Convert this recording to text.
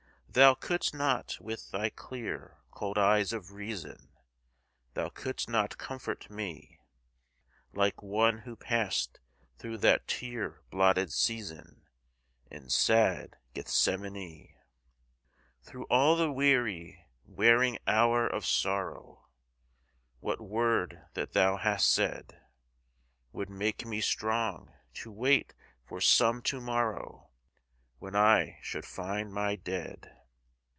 Thou couldst not with thy clear, cold eyes of reason, Thou couldst not comfort me Like One who passed through that tear blotted season In sad Gethsemane! Through all the weary, wearing hour of sorrow, What word that thou hast said Would make me strong to wait for some to morrow When I should find my dead?